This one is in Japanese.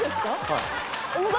はい。